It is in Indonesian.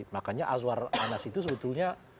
makanya azwar anas itu sebetulnya